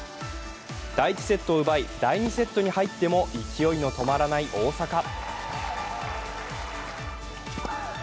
第１セットを奪い、第２セットに入っても勢いの止まらない大坂。